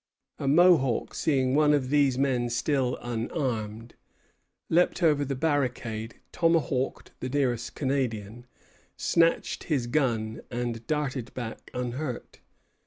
A Mohawk, seeing one of these men still unarmed, leaped over the barricade, tomahawked the nearest Canadian, snatched his gun, and darted back unhurt.